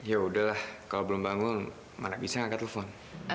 ya udahlah kalau belum bangun mana bisa nggak ke telepon